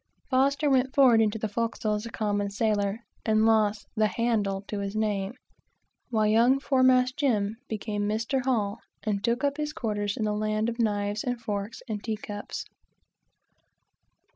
F went forward into the forecastle as a common sailor, and lost the handle to his name, while young fore mast Jim became Mr. Hall, and took up his quarters in the land of knives and forks and tea cups.